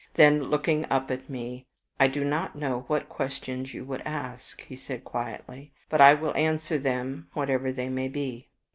Then looking up at me "I do not know what questions you would ask," he said, quietly; "but I will answer them, whatever they may be."